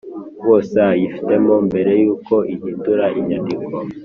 wose ayifitemo mbere y uko ihindura inyandiko